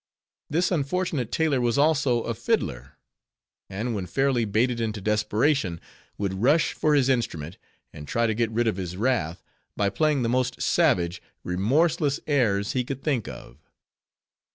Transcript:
This unfortunate tailor was also a fiddler; and when fairly baited into desperation, would rush for his instrument, and try to get rid of his wrath by playing the most savage, remorseless airs he could think of.